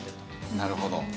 なるほど。